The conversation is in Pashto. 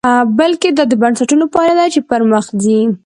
بلکې دا د بنسټونو پایله ده چې پرمخ ځي.